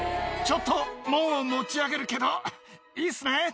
ちょっと門を持ち上げるけどいいですね？